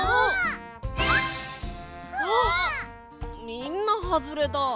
みんなはずれだ。